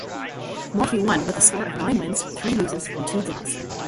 Morphy won with a score of nine wins, three losses and two draws.